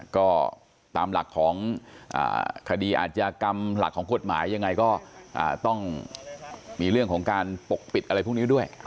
ก็ตามหลักของคดีอาจยากรรมหลักของกฎหมายยังไงก็ต้องมีเรื่องของการปกปิดอะไรพวกนี้ด้วย